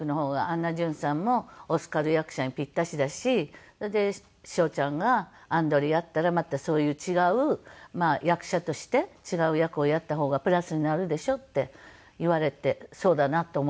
「安奈淳さんもオスカル役者にピッタシだしそれでショーちゃんがアンドレやったらまたそういう違う役者として違う役をやった方がプラスになるでしょ」って言われてそうだなと思いました。